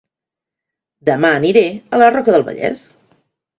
Dema aniré a La Roca del Vallès